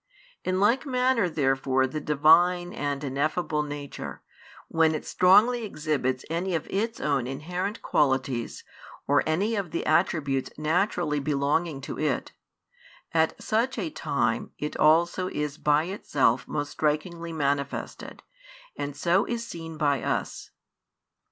In like manner therefore the Divine and ineffable Nature, when it strongly exhibits any of Its own inherent qualities, or any of the attributes naturally belonging to It; at such a time It also is by Itself most strikingly manifested, and so is seen by us.